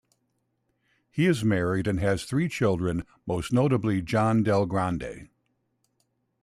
He is married and has three children most notably John Del Grande.